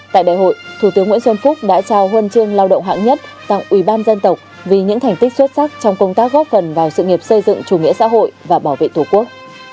tại đại hội thủ tướng nguyễn xuân phúc đã trao huân chương lao động hãng nhất tặng ubnd vì những thành tích xuất sắc trong công tác góp phần vào sự nghiệp xây dựng chủ nghĩa xã hội và bảo vệ thủ quốc